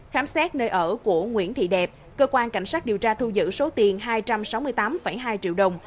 khám xét nơi ở của nguyễn thị đẹp cơ quan cảnh sát điều tra thu giữ số tiền hai trăm sáu mươi tám hai triệu đồng